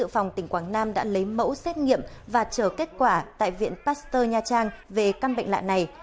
phòng tỉnh quảng nam đã lấy mẫu xét nghiệm và chờ kết quả tại viện pasteur nha trang về căn bệnh lạ này